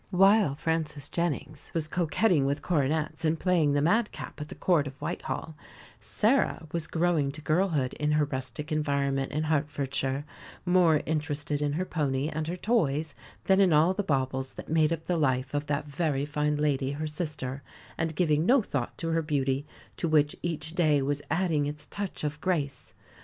While Frances Jennings was coquetting with coronets and playing the madcap at the Court of Whitehall, Sarah was growing to girlhood in her rustic environment in Hertfordshire, more interested in her pony and her toys than in all the baubles that made up the life of that very fine lady her sister, and giving no thought to her beauty, to which each day was adding its touch of grace.